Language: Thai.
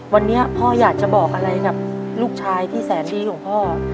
วันนี้พ่ออยากจะบอกอะไรกับลูกชายที่แสนดีของพ่อ